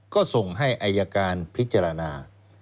ก็ส่งให้อายการพิจารณา